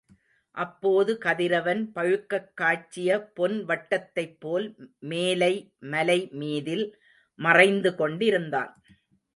அப்போது கதிரவன் பழுக்கக் காய்ச்சிய பொன் வட்டத்தைப்போல் மேலை மலைமீதில் மறைந்து கொண்டிருந்தான்.